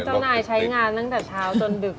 เจ้านายใช้งานตั้งแต่เช้าจนดึก